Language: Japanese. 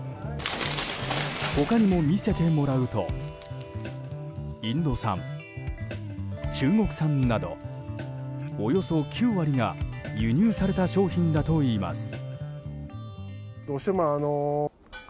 他にも見せてもらうとインド産、中国産などおよそ９割が輸入された商品だといいます。